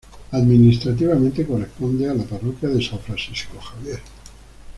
Administrativamente, corresponde a la parroquia de São Francisco Xavier.